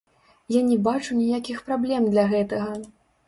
Я не бачу ніякіх праблем для гэтага.